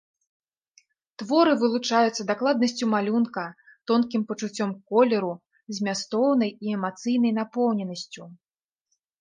Творы вылучаюцца дакладнасцю малюнка, тонкім пачуццём колеру, змястоўнай і эмацыйнай напоўненасцю.